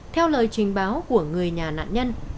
theo lời trình báo của người nhà nạn nhân